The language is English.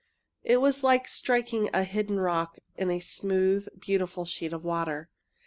It was like striking a hidden rock in a smooth, beautiful sheet of water.